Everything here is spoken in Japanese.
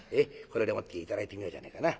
これでもって頂いてみようじゃねえかな。